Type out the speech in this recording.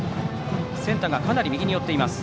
センターがかなり右に寄っています。